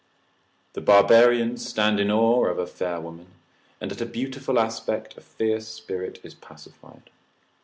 The barbarians stand in awe of a fair woman, and at a beautiful aspect a fierce spirit is pacified.